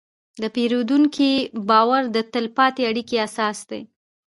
د پیرودونکي باور د تل پاتې اړیکې اساس دی.